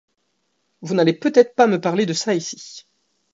Vous n'allez peut-être pas me parler de ça ici.